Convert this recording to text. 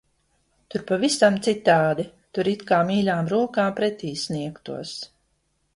Tur pavisam citādi. Tur it kā mīļām rokām pretī sniegtos.